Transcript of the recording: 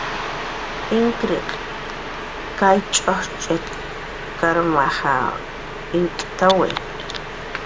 Inkkiriq kay ch'ujchit karmaj inkutn inkt'awi.